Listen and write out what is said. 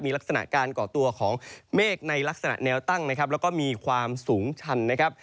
มีลักษณะการก่อตัวของเมฆในลักษณะแนวตั้งนะครับแล้วก็มีความสูงชันนะครับ